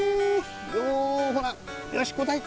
ようほらよしこうたい！